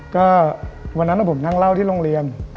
ก็วันนั้นผมนั่งเล่าที่โรงเรียน